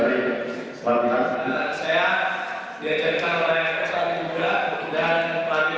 pertandingan penalti terakhir di menit tujuh puluh dua menjadi satu satu mencoba menggempur pertahanan indonesia dengan skor total lima empat untuk indonesia